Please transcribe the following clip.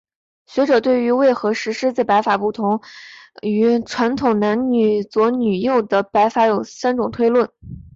学者对于为何石狮子摆法不同于传统男左女右的摆法有三种推论。